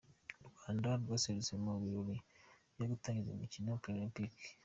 U Rwanda rwaserutse mu birori byo gutangiza imikino Paralempike